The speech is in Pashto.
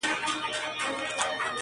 نه په كار مي دي تختونه هوسونه-